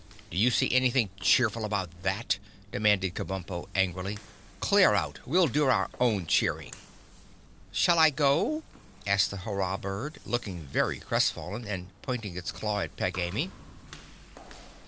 Do you see anything cheerful about that?" demanded Kabumpo angrily. "Clear out! We'll do our own cheering." "Shall I go?" asked the Hurrah Bird, looking very crestfallen and pointing its claw at Peg Amy.